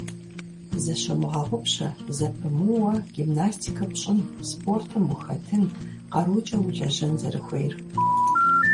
Зыщумыгъэгъупщэ зэпымыууэ гимнастикэ пщӀын, спортым ухэтын, къарукӀэ улэжьэн зэрыхуейр.